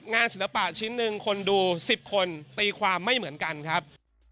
ศิลปะชิ้นหนึ่งคนดู๑๐คนตีความไม่เหมือนกันครับ